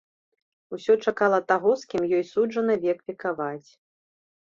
Усё чакала таго, з кім ёй суджана век векаваць.